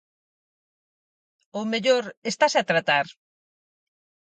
Ou mellor... estase a tratar?